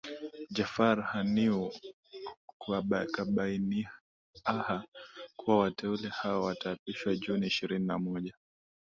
Jaffar Haniu kabainiaha kuwa wateule hao wataapishwa Juni ishirini na moja